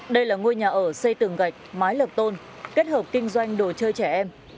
đây là ngôi nhà ở xây tường gạch mái lập tôn kết hợp kinh doanh đồ chơi trẻ em